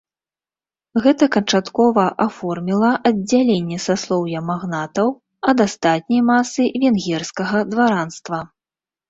Гэта канчаткова аформіла аддзяленне саслоўя магнатаў ад астатняй масы венгерскага дваранства.